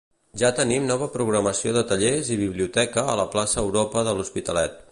Ja tenim nova programació de tallers i biblioteca a la Plaça Europa de l'Hospitalet.